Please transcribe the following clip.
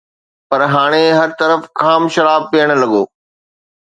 پر هاڻي هر طرف خام شراب پيئڻ لڳو